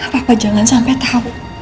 papa jangan sampai tahu